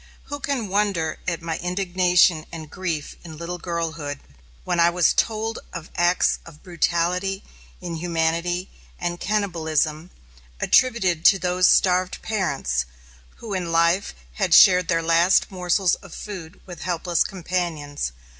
Who can wonder at my indignation and grief in little girlhood, when I was told of acts of brutality, inhumanity, and cannibalism, attributed to those starved parents, who in life had shared their last morsels of food with helpless companions?